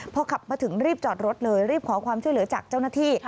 พอขับมาถึงรีบจอดรถเลยรีบขอความช่วยเหลือจากเจ้าหน้าที่